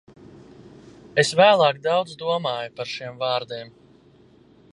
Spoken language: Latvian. Es vēlāk daudz domāju par šiem vārdiem.